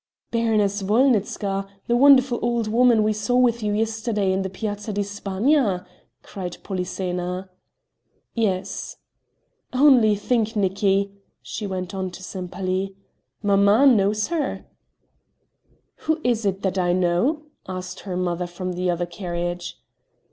"Baroness Wolnitzka! the wonderful old woman we saw with you yesterday in the Piazza di Spagna?" cried Polyxena. "Yes." "Only think, Nicki," she went on to Sempaly, "mamma knows her?" "Who is it that I know?" asked her mother from the other carriage.